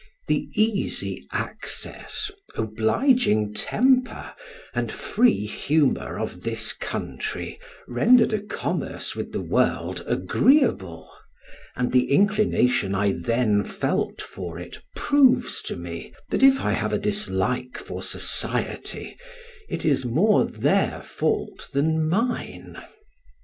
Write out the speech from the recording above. The easy access, obliging temper, and free humor of this country, rendered a commerce with the world agreeable, and the inclination I then felt for it, proves to me, that if I have a dislike for society, it is more their fault than mine.